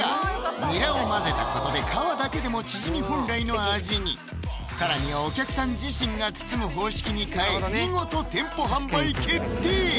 ニラを混ぜたことで皮だけでもチヂミ本来の味に更にお客さん自身が包む方式に変え見事店舗販売決定